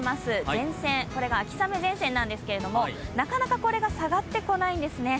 前線が秋雨前なんですけどなかなかこれが下がってこないんですね。